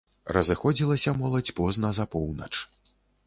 Разыходзілася моладзь позна, за поўнач.